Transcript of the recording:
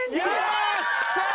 よっしゃー！